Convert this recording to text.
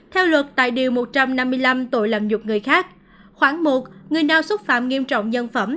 theo luật tại điều một trăm năm mươi năm tội làm nhục người khác khoảng một người nào xúc phạm nghiêm trọng nhân phẩm